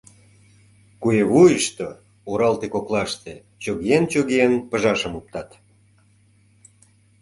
Куэ вуйышто, оралте коклаште, чогиен-чогиен, пыжашым оптат.